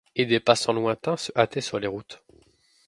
Et des passants lointains se hâtaient sur les routes.